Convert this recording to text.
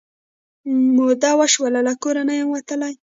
موده وشوه له کور نه یم وتلې